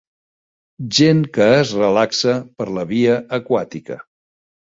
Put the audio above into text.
Gent que es relaxa per la via aquàtica